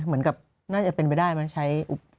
เหมือนกับน่าจะเป็นไปได้ไหมใช้